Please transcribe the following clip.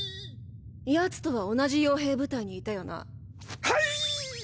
ヤツとは同じ傭兵部隊にいたよな？ハイイイ！